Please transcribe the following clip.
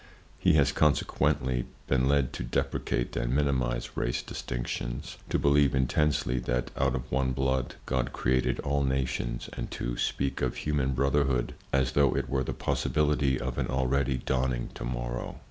He has, consequently, been led to deprecate and minimize race distinctions, to believe intensely that out of one blood God created all nations, and to speak of human brotherhood as though it were the possibility of an already dawning to morrow.